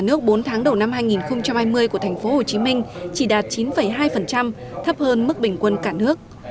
cả nước bốn tháng đầu năm hai nghìn hai mươi của thành phố hồ chí minh chỉ đạt chín hai thấp hơn mức bình quân cả nước